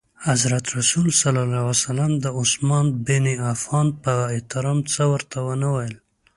حضرت رسول ص د عثمان بن عفان په احترام څه ورته ونه ویل.